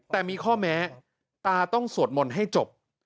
แต่มีข้อแม้ตาต้องสวดมนต์ให้จบ